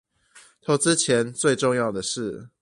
投資前最重要的事